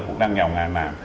bây giờ cũng đang nghèo ngàn mà